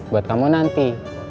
buat kamu nanti